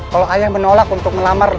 kalau ayah menolak untuk melamar